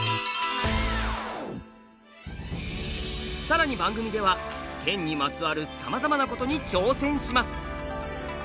さらに番組では剣にまつわるさまざまなことに挑戦します。